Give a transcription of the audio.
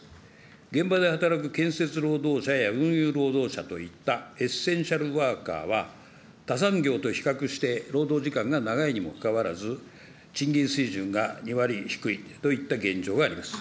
現場で働く建設労働者や運輸労働者といったエッセンシャルワーカーは、他産業と比較して、労働時間が長いにもかかわらず、賃金水準が２割低いといった現状があります。